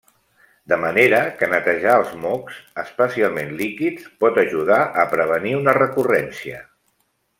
De manera que netejar els mocs, especialment líquids, pot ajudar a prevenir una recurrència.